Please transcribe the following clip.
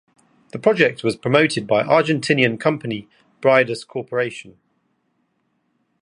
This project was promoted by Argentinian company Bridas Corporation.